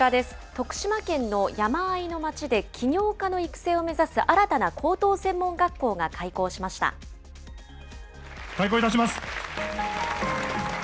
徳島県の山あいの町で起業家の育成を目指す新たな高等専門学校が開校いたします。